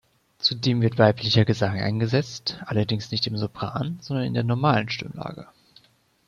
Zudem wird weiblicher Gesang eingesetzt, allerdings nicht im Sopran, sondern in der normalen Stimmlage.